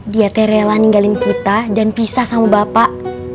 dia terela ninggalin kita dan pisah sama bapak